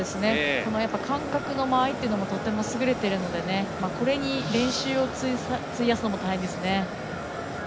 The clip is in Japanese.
感覚の間合いというのもとても優れているのでこれに練習を費やすのも大変ですね。